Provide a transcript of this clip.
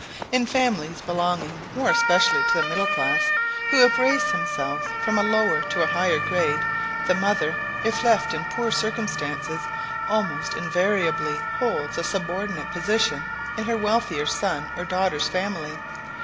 In families belonging more especially to the middle class, who have raised themselves from a lower to a higher grade, the mother, if left in poor circumstances, almost invariably holds a subordinate position in her wealthier son or daughter's family.